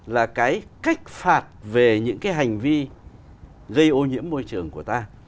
là cái cách phạt về những cái hành vi gây ô nhiễm môi trường của ta